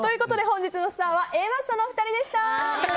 本日のスターはＡマッソのお二人でした。